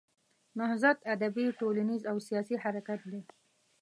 نهضت ادبي، ټولنیز او سیاسي حرکت دی.